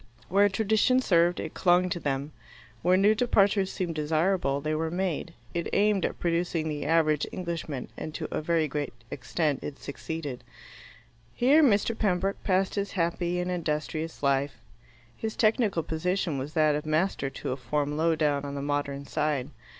Where tradition served, it clung to them. Where new departures seemed desirable, they were made. It aimed at producing the average Englishman, and, to a very great extent, it succeeded. Here Mr. Pembroke passed his happy and industrious life. His technical position was that of master to a form low down on the Modern Side.